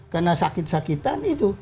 karena sakit sakitan itu